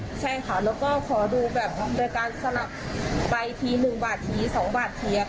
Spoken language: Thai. ใช่ค่ะแล้วก็ขอดูแบบโดยการสลับไปที๑บาทที๒บาททีค่ะ